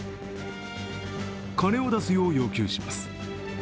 金を出すよう要求します。